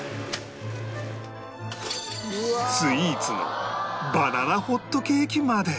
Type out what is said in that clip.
スイーツのバナナホットケーキまで